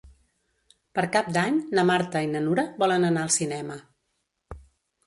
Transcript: Per Cap d'Any na Marta i na Nura volen anar al cinema.